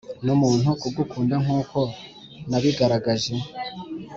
numuntu kugukunda nkuko nabigaragaje.